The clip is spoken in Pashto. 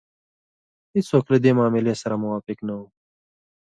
هېڅوک له دې معاملې سره موافق نه وو.